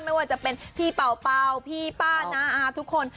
ไม่ว่าจะเป็นพี่เป่าพี่ป้าน้าอาทุกคน